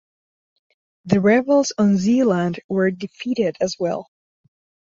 The rebels in Zeeland were defeated as well.